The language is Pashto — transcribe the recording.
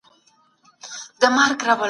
افغانان مورچلونه ټینګ وساتل